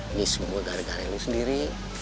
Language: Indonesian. ini semua gara gara lo sendiri